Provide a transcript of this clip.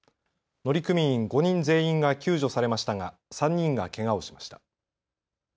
乗組員５人全員が救助されましたが３人がけがをしました。